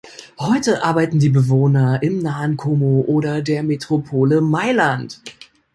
Heute arbeiten die Bewohner im nahen Como oder der Metropole Mailand.